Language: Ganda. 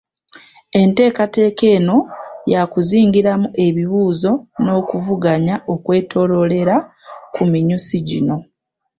Enteekateeka eno yakuzingiramu ebibuuzo n’okuvuganya okwetoloolera ku minyusi gino